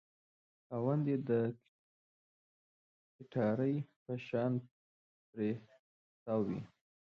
خاوند یې د کټارې په شان ترې تاو وي.